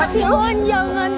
pasti loan jangan